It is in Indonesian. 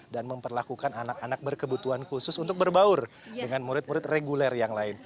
dan memperlakukan anak anak berkebutuhan khusus untuk berbaur dengan murid murid reguler yang lain